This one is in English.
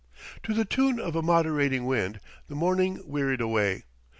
To the tune of a moderating wind, the morning wearied away.